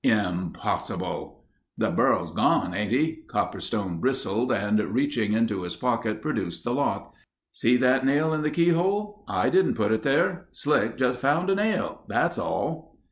"Impossible." "The burro's gone, ain't he?" Copperstain bristled, and reaching into his pocket, produced the lock. "See that nail in the keyhole? I didn't put it there. Slick just found a nail—that's all."